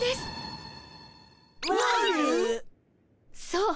そう。